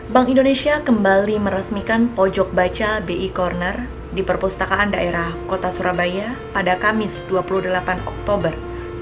bank indonesia kembali meresmikan pojok baca bi corner di perpustakaan daerah kota surabaya pada kamis dua puluh delapan oktober